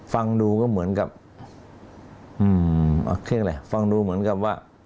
ฟังดูเหมือนกับ